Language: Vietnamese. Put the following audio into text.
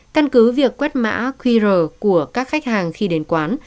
căn cứ việc quét mã qr của các khách hàng khi đến quán